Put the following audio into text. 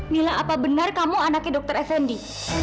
mila apa benar kamu anaknya dokter effendi